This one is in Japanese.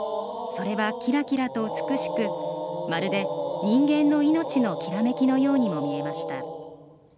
それはきらきらと美しくまるで人間の命のきらめきのようにも見えました。